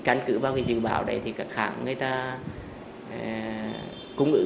căn cử vào dự bảo này các hàng người ta cũng ưu